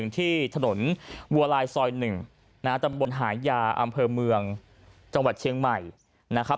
ที่ถนนบัวลายซอย๑ตำบลหายาอำเภอเมืองจังหวัดเชียงใหม่นะครับ